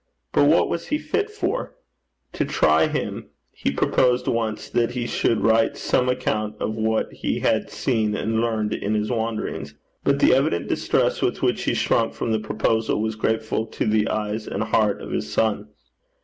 But what was he fit for? To try him, he proposed once that he should write some account of what he had seen and learned in his wanderings; but the evident distress with which he shrunk from the proposal was grateful to the eyes and heart of his son.